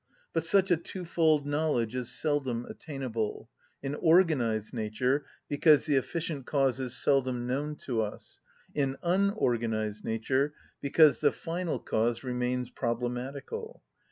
But such a twofold knowledge is seldom attainable; in organised nature, because the efficient cause is seldom known to us; in unorganised nature, because the final cause remains problematical.